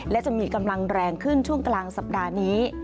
และจะมีกำลังแรงขึ้นช่วงกลางสัปดาห์นี้